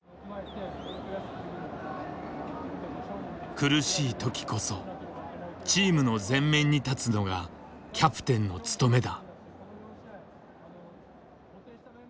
苦しい時こそチームの前面に立つのがキャプテンの務めだ。